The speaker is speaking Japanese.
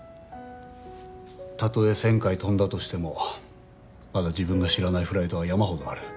たとえ１０００回飛んだとしてもまだ自分が知らないフライトは山ほどある。